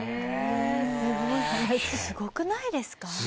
すごくないですか？